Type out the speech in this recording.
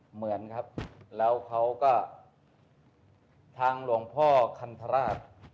เหมือนครับแล้วเขาก็ทางหลวงพ่อคันธราช